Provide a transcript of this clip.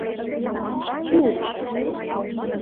— Ку-у-у...